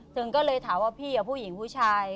ถึงก็เลยถามว่าพี่ผู้หญิงผู้ชาย